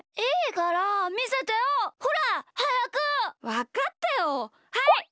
わかったよはい！